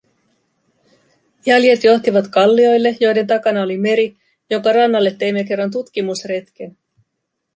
Jäljet johtivat kalloille, joiden takana oli meri, jonka rannalle teimme kerran tutkimusretken.